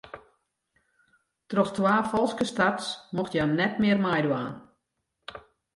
Troch twa falske starts mocht hja net mear meidwaan.